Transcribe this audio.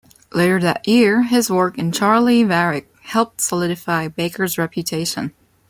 Later that year, his work in "Charley Varrick" helped solidify Baker's reputation.